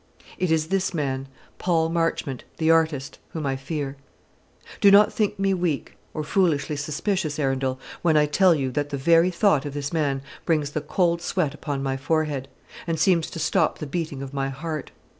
"It is this man, Paul Marchmont the artist, whom I fear. "Do not think me weak, or foolishly suspicious, Arundel, when I tell you that the very thought of this man brings the cold sweat upon my forehead, and seems to stop the beating of my heart.